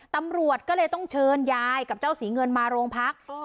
ตำรวจก็เลยต้องเชิญยายกับเจ้าศรีเงินมาโรงพัก